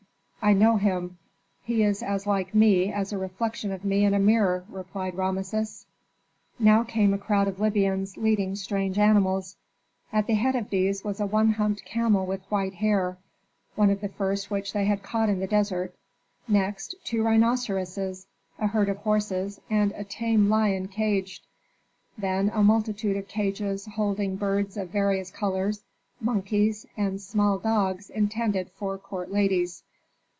"I know him. He is as like me as a reflection of me in a mirror," replied Rameses. Now came a crowd of Libyans leading strange animals. At the head of these was a one humped camel with white hair, one of the first which they had caught in the desert, next two rhinoceroses, a herd of horses, and a tame lion caged. Then a multitude of cages holding birds of various colors, monkeys, and small dogs intended for court ladies.